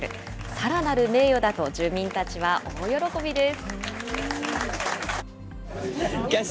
さらなる名誉だと住民たちは大喜びです。